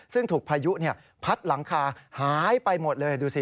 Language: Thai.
ซึ่งถูกพายุพัดหลังคาหายไปหมดเลยดูสิ